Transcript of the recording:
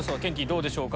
どうでしょうか？